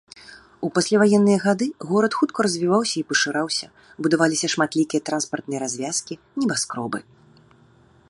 У пасляваенныя гады горад хутка развіваўся і пашыраўся, будаваліся шматлікія транспартныя развязкі, небаскробы.